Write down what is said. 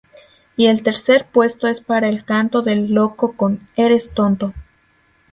Y el tercer puesto es para El canto del loco con ¡Eres tonto!